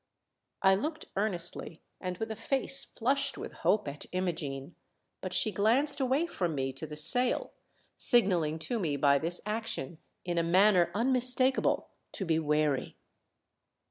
I looked earnestly and with a face flushed with hope at Imogene ; but she glanced 2 30 THE DEATH SHIP. away from me to the sail, signalling to me by this action, in a manner unmistakable, to be wary.